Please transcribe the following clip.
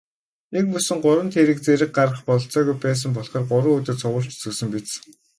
Нэгмөсөн гурван тэрэг зэрэг гаргах бололцоогүй байсан болохоор гурван өдөр цувуулж зөөсөн биз.